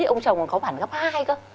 ông chồng còn cáu bản gấp hai cơ